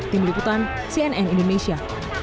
tim liputan cnn indonesia